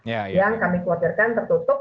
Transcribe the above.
yang kami khawatirkan tertutup